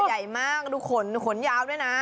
ใหญ่มากดูขนยาวด้วยนะ